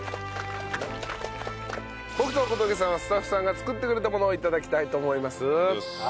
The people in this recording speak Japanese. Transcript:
僕と小峠さんはスタッフさんが作ってくれたものを頂きたいと思います。